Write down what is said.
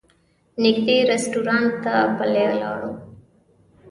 نږدې رسټورانټ ته پلي لاړو.